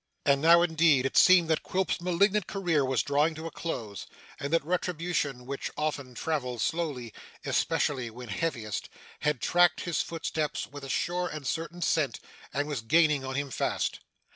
And now, indeed, it seemed that Quilp's malignant career was drawing to a close, and that retribution, which often travels slowly especially when heaviest had tracked his footsteps with a sure and certain scent and was gaining on him fast.